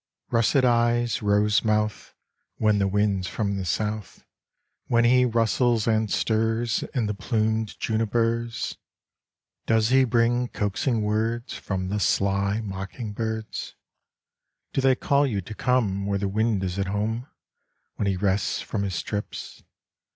Russet eyes, rose mouth, When the wind's from the south, When he rustles and stirs In the plumed junipers, 62 A Letter to Elsa Does he bring coaxing words From the sly mocking birds ? Do they call you to come Where the wind is at home When he rests from his trips